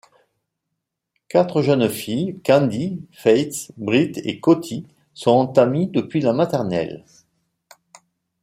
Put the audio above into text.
Quatre jeunes filles, Candy, Faith, Brit et Cotty, sont amies depuis la maternelle.